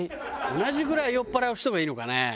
同じぐらい酔っ払う人がいいのかね？